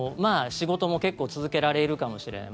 仕事も結構続けられるかもしれない。